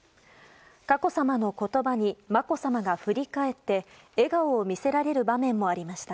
佳子さまの言葉にまこさまが振り返って笑顔を見せられる場面もありました。